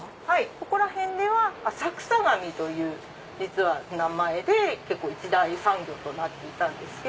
ここら辺では浅草紙という名前で一大産業となっていたんです。